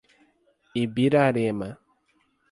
Ibirarema